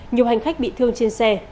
nhiều hành khách bị thương trên xe